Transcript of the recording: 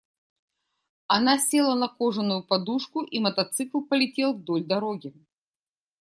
Она села на кожаную подушку, и мотоцикл полетел вдоль дороги.